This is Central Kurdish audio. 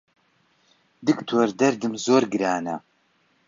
دوکتۆر دەردم زۆر گرانە